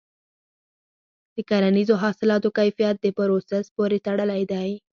د کرنیزو حاصلاتو کیفیت د پروسس پورې تړلی دی.